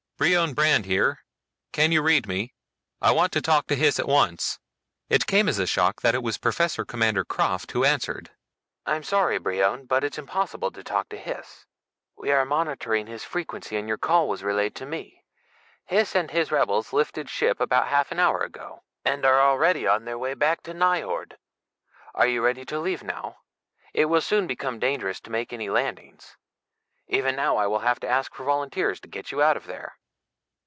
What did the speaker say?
"Brion Brandd here. Can you read me? I want to talk to Hys at once." It came as a shock that it was Professor Commander Krafft who answered. "I'm sorry, Brion, but it's impossible to talk to Hys. We are monitoring his frequency and your call was relayed to me. Hys and his rebels lifted ship about half an hour ago, and are already on the way back to Nyjord. Are you ready to leave now? It will soon become dangerous to make any landings. Even now I will have to ask for volunteers to get you out of there."